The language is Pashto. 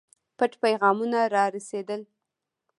پټ پیغامونه را رسېدل.